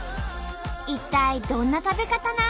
一体どんな食べ方なん？